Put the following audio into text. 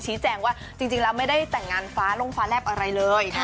ชี้แจงว่าจริงแล้วไม่ได้แต่งงานฟ้าลงฟ้าแลบอะไรเลย